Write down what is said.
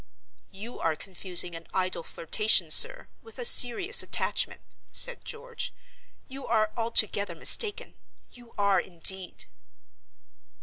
"You are confusing an idle flirtation, sir, with a serious attachment," said George. "You are altogether mistaken—you are, indeed."